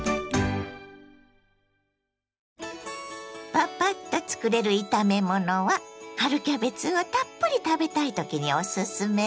パパッとつくれる炒め物は春キャベツをたっぷり食べたいときにおすすめです。